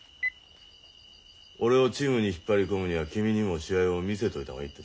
俺をチームに引っ張り込むには君にも試合を見せといた方がいいってさ。